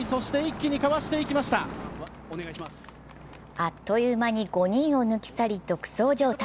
あっという間に５人を抜き去り、独走状態。